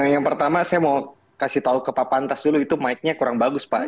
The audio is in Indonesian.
yang pertama saya mau kasih tahu ke pak pantas dulu itu mike nya kurang bagus pak